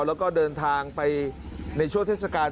แล้วก็เดินทางไปในช่วงเทศกาล